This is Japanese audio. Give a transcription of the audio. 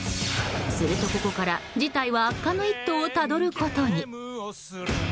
すると、ここから事態は悪化の一途をたどることに。